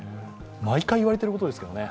毎回言われていることですよね。